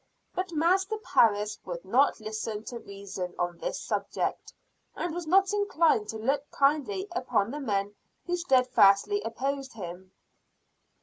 But Master Parris would not listen to reason on this subject, and was not inclined to look kindly upon the men who steadfastly opposed him.